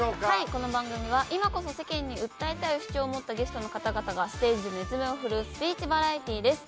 この番組は今こそ世間に訴えたい主張を持ったゲストの方々がステージで熱弁を振るうスピーチバラエティーです。